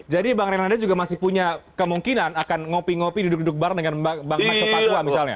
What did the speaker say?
jadi bang renan ada juga masih punya kemungkinan akan ngopi ngopi duduk duduk bareng dengan bang max sopatua misalnya